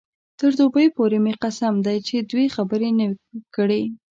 تر دوبۍ پورې مې قسم دی چې دوې خبرې نه وې کړې.